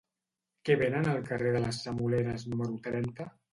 Què venen al carrer de les Semoleres número trenta?